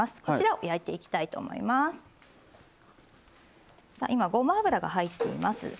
こちらを焼いていきたいと思います。